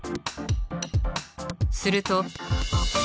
すると。